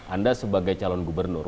anda sebagai calon gubernur